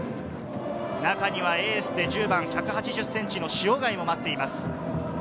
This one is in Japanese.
中にはエースで１０番１８０ｃｍの塩貝も待っています。